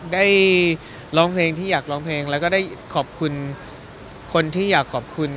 ได้ร้องเพลงที่อยากร้องเพลงแล้วก็ได้ขอบคุณคนที่อยากขอบคุณ